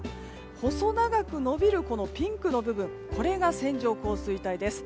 細長く伸びるピンクの部分これが線状降水帯です。